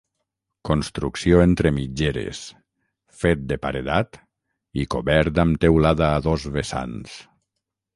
Construcció entre mitgeres, fet de paredat i cobert amb teulada a dos vessants.